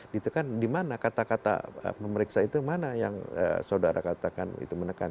ditekan di mana kata kata memeriksa itu mana yang saudara katakan itu menekan